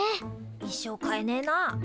一生買えねえな。